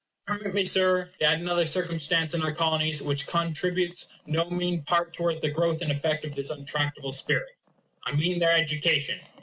Permit me, Sir, to add another circumstance in our Colonies which contributes no mean part towards the growth and effect of this untractable spirit. I mean their education.